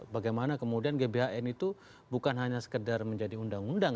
bagaimana kemudian gbhn itu bukan hanya sekedar menjadi undang undang